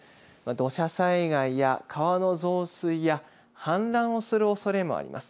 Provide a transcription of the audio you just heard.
土砂災害や川の増水や氾濫をするおそれもあります。